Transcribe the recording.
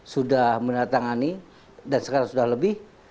sudah menandatangani dan sekarang sudah lebih